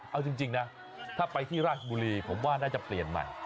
เอาจริงนะถ้าไปที่ราชบุรีผมว่าน่าจะเปลี่ยนใหม่